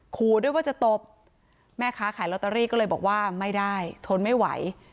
ขู่ด้วยว่าจะตบแม่ค้าขายลอตเตอรี่ก็เลยบอกว่าไม่ได้ทนไม่ไหว